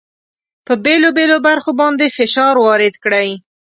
په بېلو بېلو برخو باندې فشار وارد کړئ.